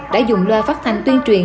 đã dùng loa phát thanh tuyên truyền